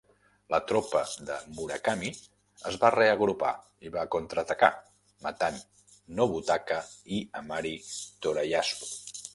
La tropa de Murakami es va reagrupar i va contraatacar, matant Nobutaka i Amari Torayasu.